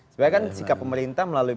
sebenarnya kan sikap pemerintah melalui